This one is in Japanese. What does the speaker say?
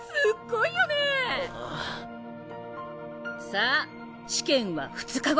さあ試験は２日後。